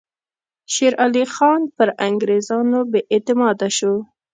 شېر علي خان پر انګریزانو بې اعتماده شو.